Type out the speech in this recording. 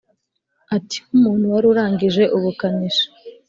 Ati “Nk’umuntu wari urangije ubukanishi